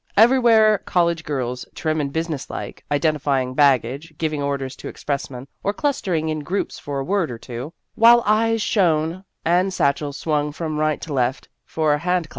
Everywhere college girls, trim and business like, identifying baggage, giving orders to expressmen, or clustering in groups for a word or two, while eyes shone, and satchels swung from right to left for a hand clasp.